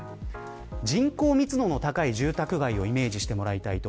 人口密度の高い住宅街をイメージしてください。